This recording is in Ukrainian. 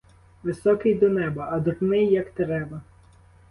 Високий до неба, а дурний як треба.